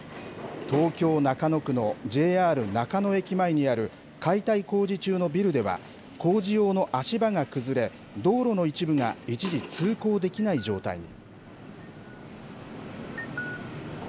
東京・中野区のＪＲ中野駅前にある解体工事中のビルでは、工事用の足場が崩れ、道路の一部が一時通行できない状態に。